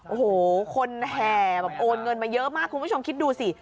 โอ้โหคนแห่แบบโอนเงินมาเยอะมากคุณผู้ชมคิดดูสิ